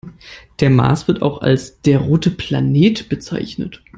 Der Mars wird auch als der „rote Planet“ bezeichnet.